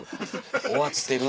終わってる。